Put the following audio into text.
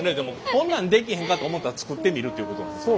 こんなん出来へんかと思ったら作ってみるっていうことなんですか？